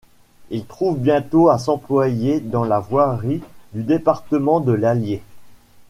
Il trouve bientôt à s'employer dans la voirie du département de l'Allier.